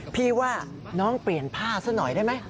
พี่ว่าน้องเปลี่ยนผ้าซะหน่อยได้ไหม